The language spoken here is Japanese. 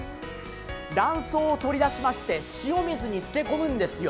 卵巣を取り出しまして、塩水に漬け込むんですよ。